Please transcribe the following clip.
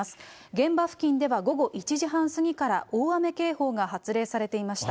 現場付近では午後１時半過ぎから大雨警報が発令されていました。